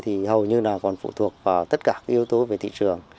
hầu như còn phụ thuộc vào tất cả yếu tố về thị trường